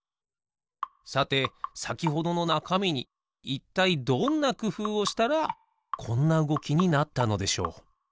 さてさきほどのなかみにいったいどんなくふうをしたらこんなうごきになったのでしょう？